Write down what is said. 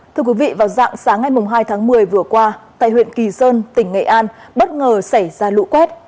thưa quý vị vào dạng sáng ngày hai tháng một mươi vừa qua tại huyện kỳ sơn tỉnh nghệ an bất ngờ xảy ra lũ quét